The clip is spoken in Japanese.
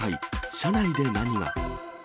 車内で何が？